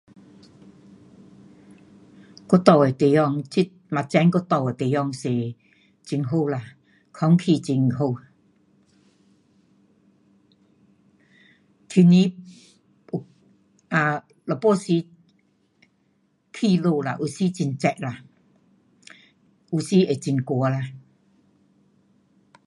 我住的地方，这一层我住的地方是很好啦，空气很好，天气，um 有半时起落啦，有时很热啦，有时会冷啦。